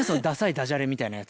ダジャレみたいなやつ。